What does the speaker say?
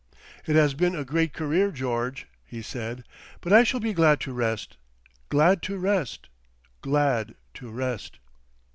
"It has been a great career, George," he said, "but I shall be glad to rest. Glad to rest!... Glad to rest."